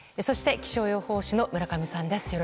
そして気象予報士の村上さんです。